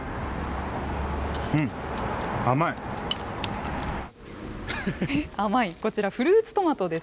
甘い、こちらフルーツトマトです。